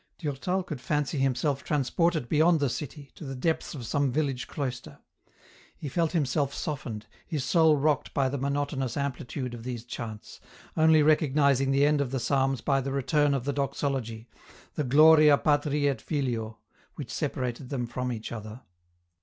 Durtal could fancy himself transported beyond the city, to the depths of some village cloister ; he felt himself softened, his soul rocked by the monotonous amplitude of these chants, only recognizing the end of the psalms by the return of the doxology, the " Gloria Patri et Filio," which separated them from each other.